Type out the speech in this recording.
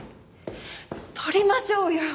撮りましょうよ。